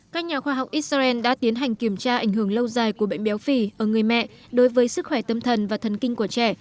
các nhà khoa học israel đã tiến hành kiểm tra ảnh hưởng lâu dài của bệnh béo phì ở người mẹ đối với sức khỏe tâm thần và thần kinh của trẻ